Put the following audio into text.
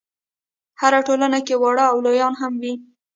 هره ټولنه کې واړه او لویان هم وي.